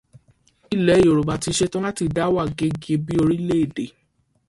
Ilẹ̀ Yorùbá ti ṣetán láti dá wà gẹ́gẹ́ bí orílẹ́-èdè.